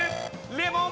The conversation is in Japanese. レモン。